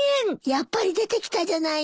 やっぱり出てきたじゃないの。